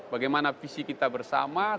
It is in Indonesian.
bagaimana visi kita bersama